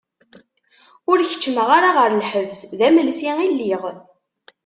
Ur keččmeɣ ara ɣer lḥebs, d amelsi i lliɣ.